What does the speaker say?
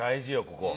ここ。